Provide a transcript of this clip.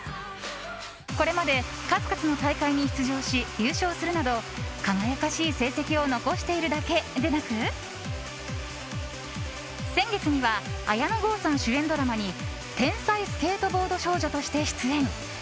これまで数々の大会に出場し優勝するなど輝かしい成績を残しているだけでなく先月には綾野剛さん主演ドラマに天才スケートボード少女として出演。